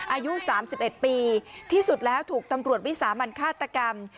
อายุ๓๑ปีที่สุดแล้วถูกตำรวจวิสามันฆาตกรรม